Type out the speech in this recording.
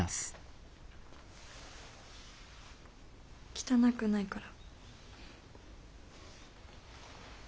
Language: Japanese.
汚くないから。